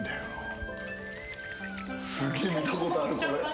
すげえ見たことあるこれ。